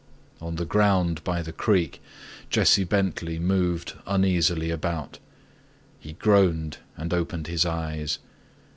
On the ground by the creek Jesse Bentley moved uneasily about. He groaned and opened his eyes.